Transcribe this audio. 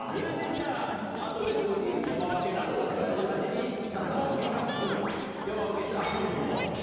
じゃあ「後で山分けな！」とかそんな感じになったんですか？